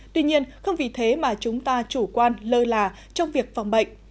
tuy nhiên không vì thế mà chúng ta chủ quan lơ là trong việc phòng bệnh